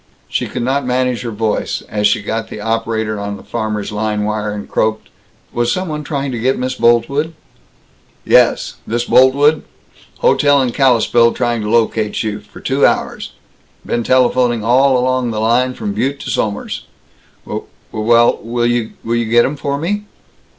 She could not manage her voice, as she got the operator on the farmers' line wire, and croaked, "Was some one trying to get Miss Boltwood?" "Yes. This Boltwood? Hotel in Kalispell trying to locate you, for two hours. Been telephoning all along the line, from Butte to Somers." "W well, w will you g get 'em for me?"